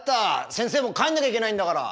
先生も帰んなきゃいけないんだから。